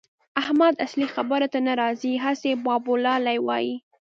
احمد اصلي خبرې ته نه راځي؛ هسې بابولالې وايي.